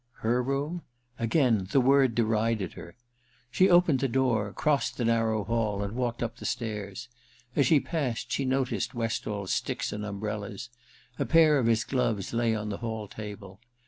Her room ? Again the word derided her. She opened the door, crossed the narrow hall, and walked up the stairs. As she passed, she noticed Westall's sticks and umbrellas : a pair of his gloves lay on the hall table.